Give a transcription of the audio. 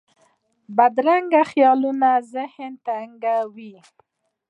بدرنګه خیالونه ذهن تنګوي